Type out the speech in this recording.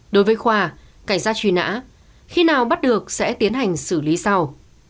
đối với khoa cảnh sát truy nã khi nào bắt được sẽ tiến hành xử lý sau